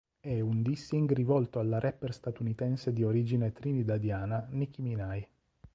È un dissing rivolto alla rapper statunitense di origine trinidadiana Nicki Minaj.